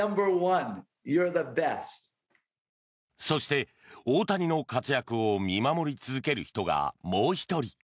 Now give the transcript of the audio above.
そして大谷の活躍を見守り続ける人が、もう１人。